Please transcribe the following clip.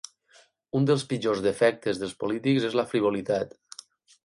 Un dels pitjors defectes dels polítics és la frivolitat.